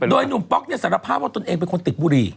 โดยหนุ่มป๊อกเนี่ยสารภาพว่าตนเองเป็นคนติดบุหรี่